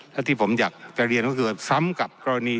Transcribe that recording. และที่ผมอยากจะเรียนก็คือซ้ำกับกรณี